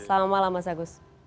selamat malam mas agus